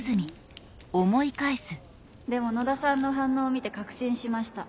でも野田さんの反応を見て確信しました